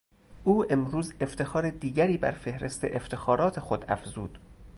او امروز افتخار دیگری بر فهرست افتخارات خود افزود.